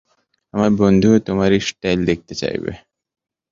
আমার বন্ধুও তোমার এই স্টাইল দেখতে চাইবে।